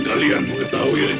kita tidak bisa menggantung mereka